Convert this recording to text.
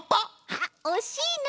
あっおしいな。